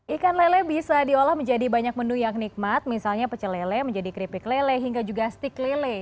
ikan lele bisa diolah menjadi banyak menu yang nikmat misalnya pecel lele menjadi keripik lele hingga juga stik lele